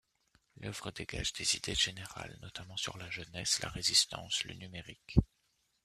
L’œuvre dégage des idées générales notamment sur la jeunesse, la résistance, le numérique.